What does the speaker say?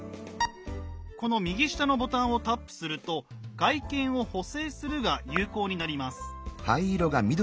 この右下のボタンをタップすると「外見を補正する」が有効になります。